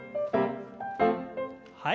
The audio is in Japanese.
はい。